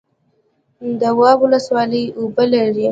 دواب ولسوالۍ اوبه لري؟